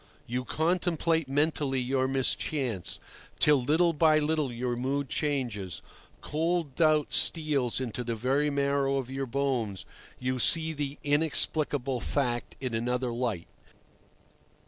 You contemplate mentally your mischance, till little by little your mood changes, cold doubt steals into the very marrow of your bones, you see the inexplicable fact in another light.